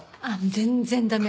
全然駄目。